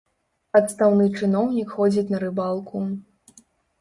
Адстаўны чыноўнік ходзіць на рыбалку.